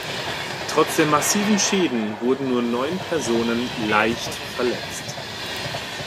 Trotz der massiven Schäden wurden nur neun Personen leicht verletzt.